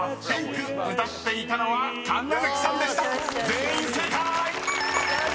［全員正解！］